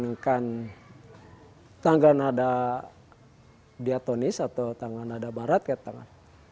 memainkan tangga nada diatonis atau tangga nada barat kayak tangan